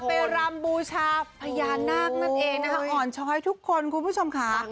รำบูชาพญานาคนั่นเองนะคะอ่อนช้อยทุกคนคุณผู้ชมค่ะ